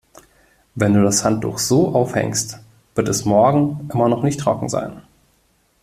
Wenn du das Handtuch so aufhängst, wird es morgen immer noch nicht trocken sein.